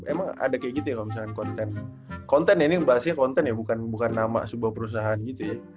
emang ada kayak gitu ya kalau misalkan konten ini bahasanya konten ya bukan nama sebuah perusahaan gitu ya